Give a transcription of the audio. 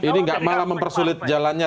ini nggak malah mempersulit jalannya